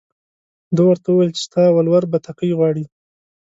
ده ورته وویل چې ستا ولور بتکۍ غواړي.